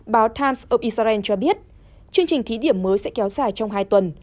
báo times of israel cho biết chương trình thí điểm mới sẽ kéo dài trong hai tuần